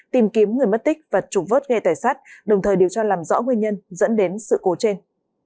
tìm kiếm người mất tích và trục vớt ghe tài sát đồng thời điều tra làm rõ nguyên nhân dẫn đến sự cố trên